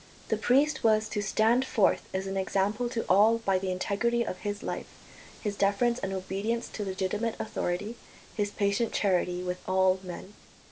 The priest was to stand forth as an example to all by the integrity of his life, his deference and obedience to legitimate authority, his patient charity with all men.